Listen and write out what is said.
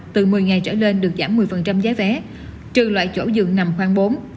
từ một mươi ngày trở lên được giảm một mươi giá vé trừ loại chỗ dừng nằm hoang bốn